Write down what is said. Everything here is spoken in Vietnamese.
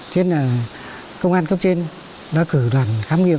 thế nên là công an cấp trên đã cử đoàn khám nghiệm